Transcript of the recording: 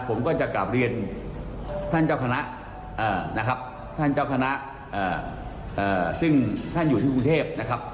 ผมก็จะกลับเรียนท่านเจ้าคณะท่านอยู่ที่กรุงเทพฯ